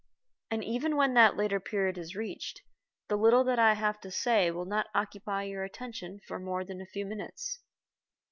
And even when that later period is reached, the little that I have to say will not occupy your attention for more than a few minutes.